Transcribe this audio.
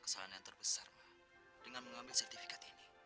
kesalahan yang terbesar dengan mengambil sertifikat ini